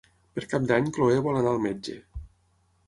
Per Cap d'Any na Cloè vol anar al metge.